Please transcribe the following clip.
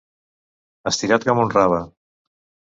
Estirat com un rave.